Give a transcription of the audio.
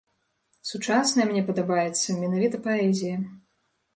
Сучасная мне падабаецца менавіта паэзія.